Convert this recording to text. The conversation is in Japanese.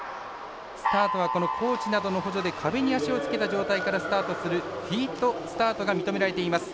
スタートはこのコーチなどの補助で壁に足をつけた状態からスタートするフィートスタートが認められています。